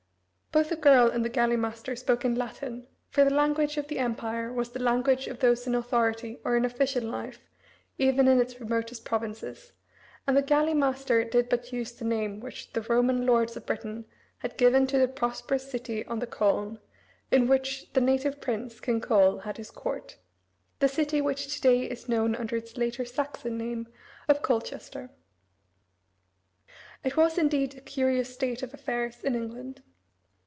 Both the girl and the galley master spoke in Latin, for the language of the Empire was the language of those in authority or in official life even in its remotest provinces, and the galley master did but use the name which the Roman lords of Britain had given to the prosperous city on the Colne, in which the native Prince, King Coel, had his court the city which to day is known under its later Saxon name of Colchester. It was, indeed, a curious state of affairs in England.